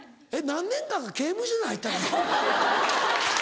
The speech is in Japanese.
何年間か刑務所に入ったの？